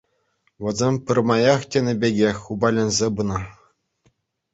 Вӗсем пӗрмаях тенӗ пекех упаленсе пынӑ.